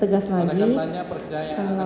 dan dapat saya pertegas lagi